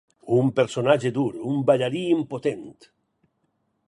Un personatge dur, un ballarí impotent.